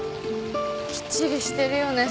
きっちりしてるよね